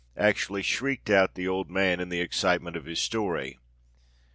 actually shrieked out the old man, in the excitement of his story.